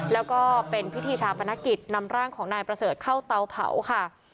แล้วก็เป็นพิธีชาปนกิจนำร่างของนายประเสริฐเข้าเตาเผาค่ะ